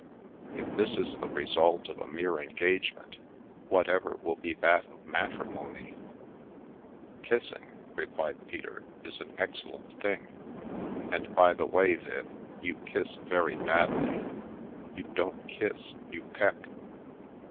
If this is the result of a mere engage ment, whatever will be that of matrimony ?"" Kissing," replied Peter, " is an excellent thing — and by the way, Viv, you kiss very badly. You don't kiss, you peck.